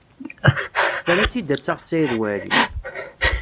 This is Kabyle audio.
Tefra-tt-id ad taɣ Saɛid Waɛli.